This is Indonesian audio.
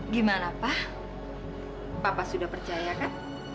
gimana pa papa sudah percaya kan